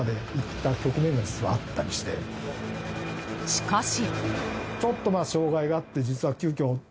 しかし。